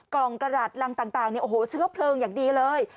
กล่องกระดาษรังต่างเนี่ยโอ้โหเชื้อเพลิงอย่างดีเลย